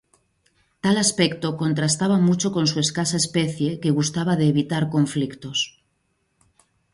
Tal aspecto contrastaba mucho con su escasa especie que gustaba de evitar conflictos.